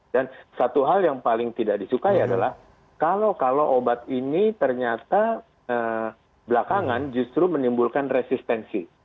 dan satu hal yang paling tidak disukai adalah kalau obat ini ternyata belakangan justru menimbulkan resistensi